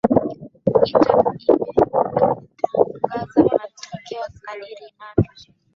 ita ime itatangaza matokeo kadiri inavyo